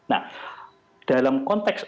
nah dalam konteks